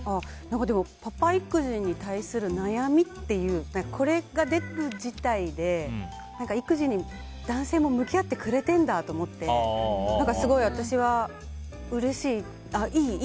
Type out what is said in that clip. パパ育児に対する悩みっていうこれが出る自体、育児に男性も向き合ってくれてるんだって思ってすごい私はうれしい。